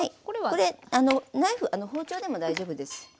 これナイフ包丁でも大丈夫です。